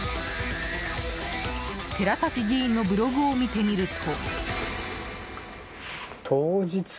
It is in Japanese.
寺崎議員のブログを見てみると。